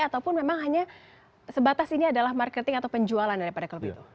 ataupun memang hanya sebatas ini adalah marketing atau penjualan daripada klub itu